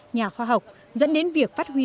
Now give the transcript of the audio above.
nhà khoa học dẫn đến việc phát huy